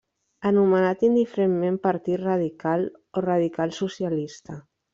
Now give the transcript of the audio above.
Anomenat indiferentment partit radical o radical-socialista.